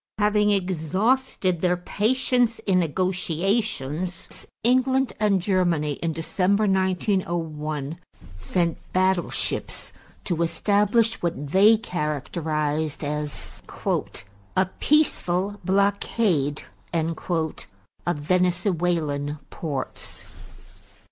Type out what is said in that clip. Having exhausted their patience in negotiations, England and Germany, in December 1901, sent battleships to establish what they characterized as "a peaceful blockade" of Venezuelan ports.